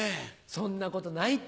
そんなことないって。